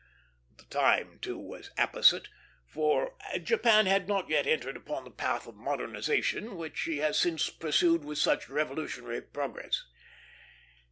The time, too, was apposite, for Japan had not yet entered upon the path of modernization which she has since pursued with such revolutionary progress.